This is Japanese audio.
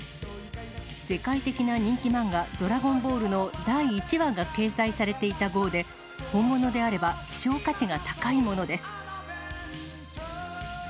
世界的な人気漫画、ドラゴンボールの第１話が掲載されていた号で、本物であれば、希少価値が高いものです。